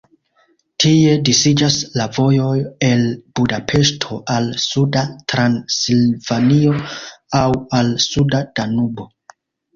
Tie disiĝas la vojoj el Budapeŝto al suda Transilvanio aŭ al suda Danubo.